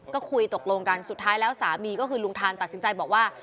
ก็คุยตกลงกันสุดท้ายแล้วสามีก็คือลุงทานตัดสินใจบอกว่า